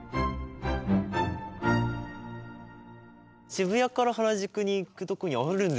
渋谷から原宿に行くとこにあるんですね。